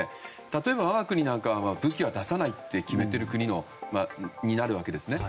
例えば、我が国なんかは武器は出さないって決めている国になるわけですね。